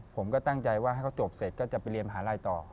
ผมก็ตั้งใจว่าให้เขาจบเสร็จก็จะไปเรียนมหาลัยต่อ